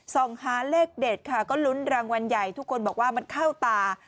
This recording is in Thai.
ส่องหาเลขเด็ดค่ะก็ลุ้นรางวัลใหญ่ทุกคนบอกว่ามันเข้าตา